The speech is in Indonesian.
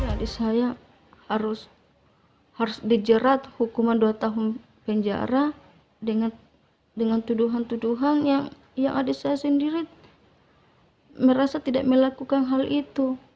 adik saya harus dijerat hukuman dua tahun penjara dengan tuduhan tuduhan yang adik saya sendiri merasa tidak melakukan hal itu